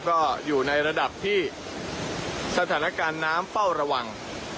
ก็อยู่ในระดับที่สถานการณ์น้ำเฝ้าระวัง